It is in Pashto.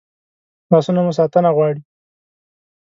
لاسونه مو ساتنه غواړي